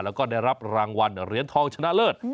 แล้วก็ได้รับรางวัลเหรียญทองชนะเลิศ